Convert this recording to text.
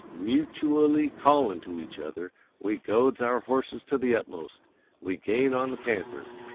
Mutooally callin' to each other, we goads our horses to the utmost. We gain on the panther!